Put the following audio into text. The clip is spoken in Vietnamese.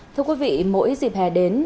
thưa quý vị mỗi dịp hè đến